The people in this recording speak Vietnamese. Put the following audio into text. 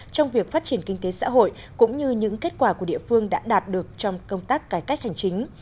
trong việc phát triển kinh tế xã hội cũng như những kết quả của địa phương đã đạt được trong công tác cải cách hành chính